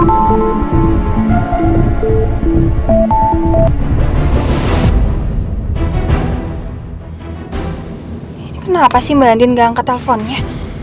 ini kan apa sih mbak andien gak angkat telponnya